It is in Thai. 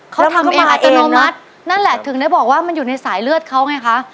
เขาทำเป็นอัตโนมัตินั่นแหละถึงได้บอกว่ามันอยู่ในสายเลือดเขาไงคะ